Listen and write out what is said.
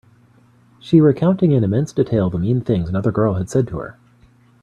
She recounting in immense detail the mean things another girl had said to her.